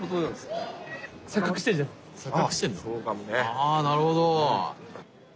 あなるほど。